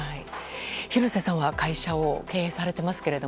廣瀬さんは会社を経営されていますけど。